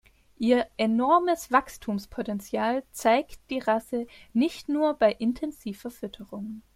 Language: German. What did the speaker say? Ihr enormes Wachstumspotential zeigt die Rasse nicht nur bei intensiver Fütterung.